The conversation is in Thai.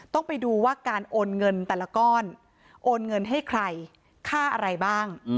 ต้องไปดูว่าการโอนเงินแต่ละก้อนโอนเงินให้ใครค่าอะไรบ้าง